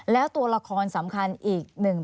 แล้วตัวละครสำคัญอีกหนึ่ง